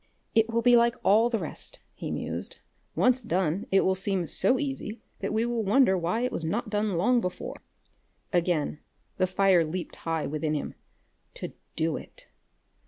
"It will be like all the rest," he mused. "Once done, it will seem so easy that we will wonder why it was not done long before." Again the fire leaped high within him. To do it!